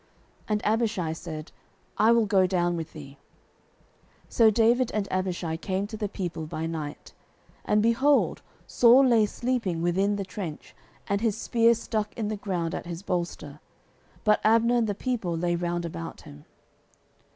And Abishai said, I will go down with thee. 09:026:007 So David and Abishai came to the people by night: and, behold, Saul lay sleeping within the trench, and his spear stuck in the ground at his bolster: but Abner and the people lay round about him.